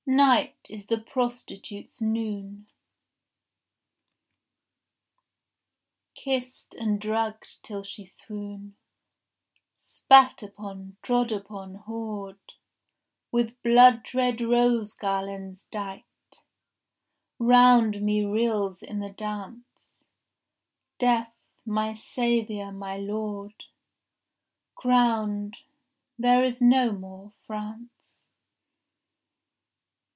— Night is the prostitute's noon, Kissed and drugged till she swoon, Spat upon, trod upon, whored. With bloodred rose garlands dight, Round me reels in the dance Death, my saviour, my lord, Crowned; there is no more France.